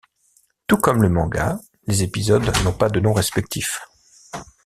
Tout comme le manga, les épisodes n'ont pas de noms respectifs.